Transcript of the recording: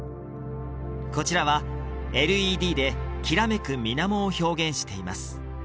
こちらはＬＥＤできらめく水面を表現しています